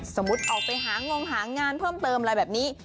ออกไปหางงหางานเพิ่มเติมอะไรแบบนี้